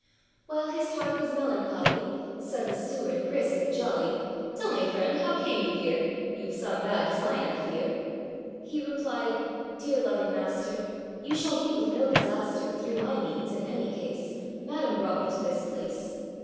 While his heart was melancholy, Said the steward, brisk and jolly, âTell me, friend, how came you here? Youâve some bad design, I fear.â He replied, âDear loving master, You shall meet with no disaster Through my means, in any case,â Madam brought me to this place.